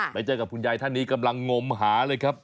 ไปเจอกับคุณยายท่านนี้กำลังงมหาเลยครับ